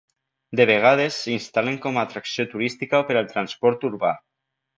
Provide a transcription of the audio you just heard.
De vegades, s'instal·len com a atracció turística o per al transport urbà.